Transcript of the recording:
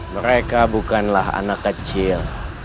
mereka bukanlah anak kecil